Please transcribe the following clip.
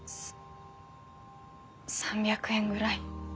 ３００円ぐらい。